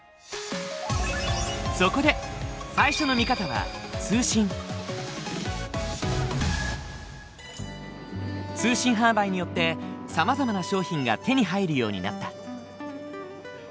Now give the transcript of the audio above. そこで最初の見方は通信販売によってさまざまな商品が手に入るようになった。